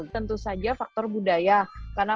tentu saja faktor budaya karena